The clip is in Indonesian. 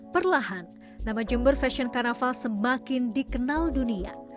perlahan nama jember fashion carnaval semakin dikenal dunia